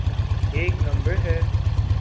ایک نمبر ہے؟